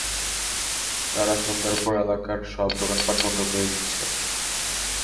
তারা সন্ধ্যার পর এলাকার সব দোকানপাট বন্ধ করে দিচ্ছে।